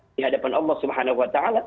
di hadapan allah swt